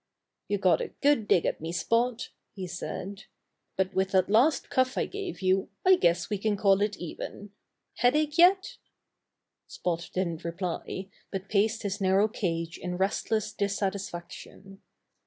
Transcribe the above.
'Wou got a good dig at me. Spot," he said, ^'but with that last cuff I gave you I guess we can call it even. Head ache yet?" Spot didn't reply, but paced his narrow cage in restless dissatisfaction.